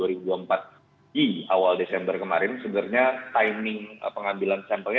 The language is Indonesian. di awal desember kemarin sebenarnya timing pengambilan sampelnya